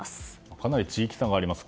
かなり地域差があります。